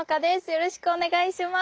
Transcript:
よろしくお願いします。